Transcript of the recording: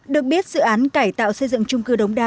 được biết dự án cải tạo xây dựng trung cư đống đa